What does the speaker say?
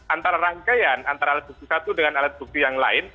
antara rangkaian antara alat bukti satu dengan alat bukti yang lain